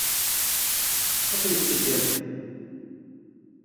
Ad ten-tseggem?